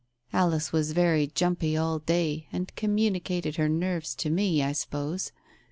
Alice was very jumpy all day, and communicated her nerves to me, I suppose.